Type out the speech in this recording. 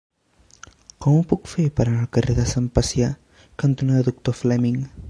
Com ho puc fer per anar al carrer Sant Pacià cantonada Doctor Fleming?